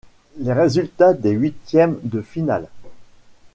Les résultats des huitièmes de finale.